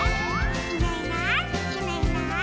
「いないいないいないいない」